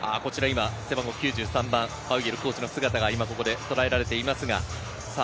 背番号９３番、パウエルコーチの姿がとらえられています。